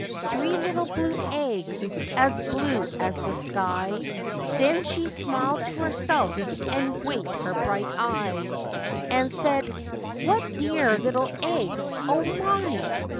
Three little blue eggs, as blue as the sky, Then she smiled to herself and winked her bright eye, And said, "What dear little eggs, 0, My!"